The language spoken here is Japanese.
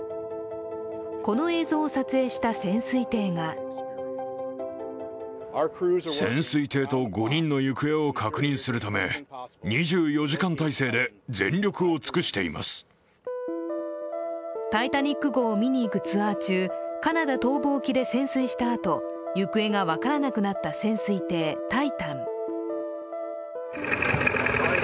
この映像を撮影した潜水艇が「タイタニック」号を見に行くツアー中、カナダ東部沖で潜水した後行方が分からなくなった潜水艇「タイタン」。